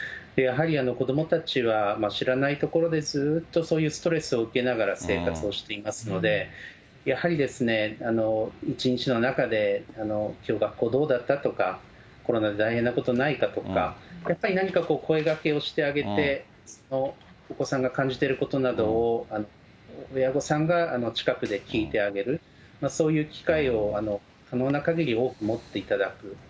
やはり子どもたちは知らないところでずっとそういうストレスを受けながら生活をしていますので、やはり一日の中で、きょう学校どうだった？とか、コロナで大変なことないかとか、やっぱり何かこう、声がけをしてあげて、お子さんが感じていることなどを、親御さんが近くで聞いてあげる、そういう機会を可能なかぎり多く持っていただく。